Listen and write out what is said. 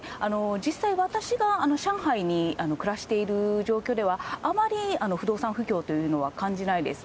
実際、私が上海に暮らしている状況では、あまり不動産不況というのは感じないです。